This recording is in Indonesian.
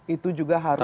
itu juga harus di